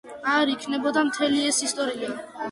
არ იქნებოდა მთელი ეს ისტორია.